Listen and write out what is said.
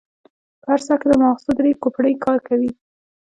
په هر سر کې د ماغزو درې کوپړۍ کار کوي.